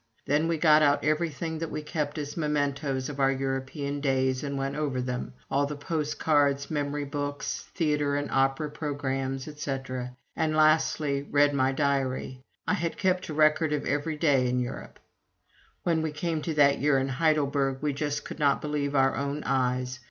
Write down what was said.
Then we got out everything that we kept as mementos of our European days, and went over them all the postcards, memory books, theatre and opera programmes, etc., and, lastly, read my diary I had kept a record of every day in Europe. When we came to that year in Heidelberg, we just could not believe our own eyes.